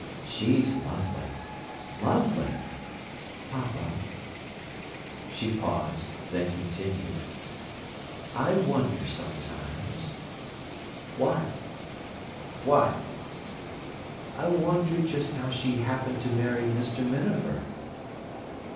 "She's lovely—lovely! Papa—" she paused, then continued—"I wonder sometimes—" "What?" "I wonder just how she happened to marry Mr. Minafer."